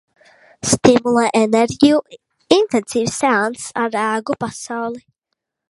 Stimulē enerģiju. Intensīvs seanss ar rēgu pasauli.